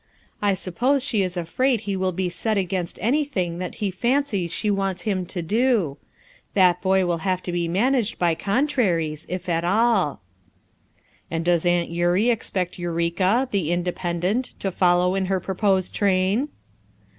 I suppose she is afraid he will be set against anything that he fancies she wants him to do. That boy will have to be managed by contraries, if at all." "And does Aunt Eurie expect Eureka, the independent, to follow in her proposed train?"